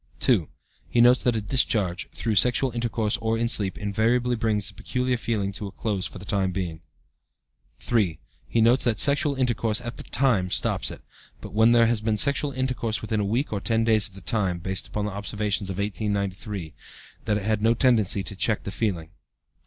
"2. He notes that a discharge (through sexual intercourse or in sleep) invariably brings the peculiar feeling to a close for the time being. "3. He notes that sexual intercourse at the time stops it; but, when there has been sexual intercourse within a week or ten days of the time (based upon the observations of 1893), that it had no tendency to check the feeling."